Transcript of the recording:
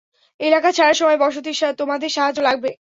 এলাকা ছাড়ার সময় বসতির তোমাদের সাহায্য লাগবে।